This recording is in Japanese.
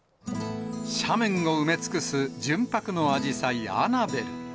斜面を埋め尽くす純白のあじさい、アナベル。